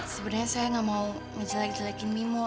sebenarnya saya gak mau menjelek jelekin mimmo